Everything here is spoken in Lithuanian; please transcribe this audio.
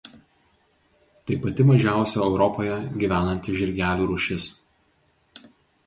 Tai pati mažiausia Europoje gyvenanti žirgelių rūšis.